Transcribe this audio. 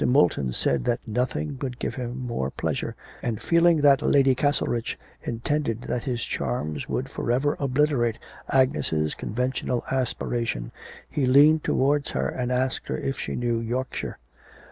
Moulton said that nothing would give him more pleasure, and feeling that Lady Castlerich intended that his charms should for ever obliterate Agnes' conventual aspiration he leaned towards her and asked her if she knew Yorkshire.